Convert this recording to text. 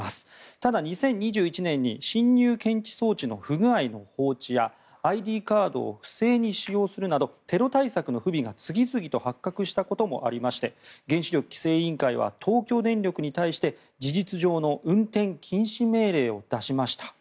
ただ、２０２１年に侵入検知装置の不具合の放置やＩＤカードを不正に使用するなどテロ対策の不備が次々と発覚したこともありまして原子力規制委員会は東京電力に対して事実上の運転禁止命令を出しました。